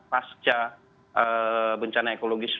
pasca bencana ekologis